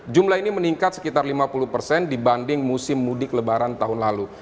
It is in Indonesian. jumlah ini meningkat sekitar lima puluh persen dibanding musim mudik lebaran tahun lalu